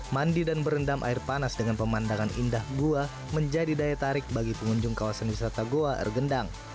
mandi dan berendam air panas dengan pemandangan indah gua menjadi daya tarik bagi pengunjung kawasan wisata goa air gendang